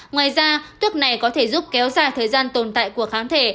ngoài ra thuốc này có thể giúp kéo dài thời gian tồn tại của kháng thể